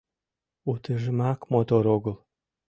— Утыжымак мотор огыл.